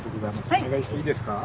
お願いしていいですか？